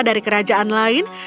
dari kerajaan lain